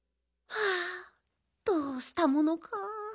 はあどうしたものか。